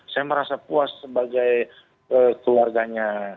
saya merasa puas sebagai keluarganya